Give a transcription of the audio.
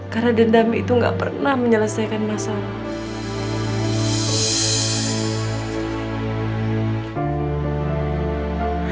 karena dendam itu gak pernah menyelesaikan masalah